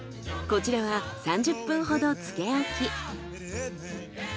こちらは３０分ほど漬け置き。